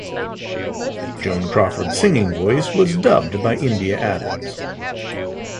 Joan Crawford's singing voice was dubbed by India Adams.